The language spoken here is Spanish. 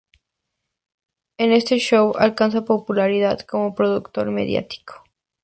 En ese show alcanza popularidad como Productor mediático.